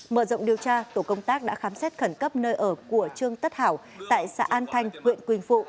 mở rộng điều tra tổ công tác đã khám xét khẩn cấp nơi ở của trương tất hảo tại xã an thanh huyện quỳnh phụ